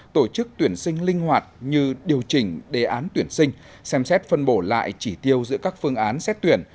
tổ chức tuyển sinh linh hoạt như điều chỉnh đề án tuyển sinh xem xét phân bổ lại chỉ tiêu giữa các phương án xét tuyển